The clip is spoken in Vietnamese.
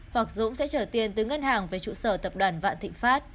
hoặc dũng sẽ trở tiền từ ngân hàng về trụ sở tập đoàn vạn thịnh pháp